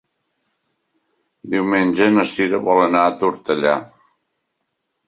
Diumenge na Cira vol anar a Tortellà.